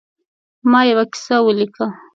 ما یوه کیسه ولیکله.